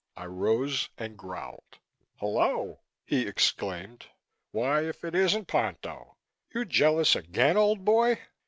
I rose and growled. "Hello!" Winnie exclaimed. "Why if it isn't Ponto? You jealous again, old boy?